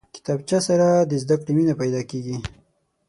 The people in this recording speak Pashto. کتابچه سره د زده کړې مینه پیدا کېږي